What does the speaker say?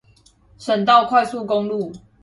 省道快速公路